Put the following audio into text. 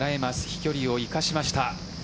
飛距離を生かしました。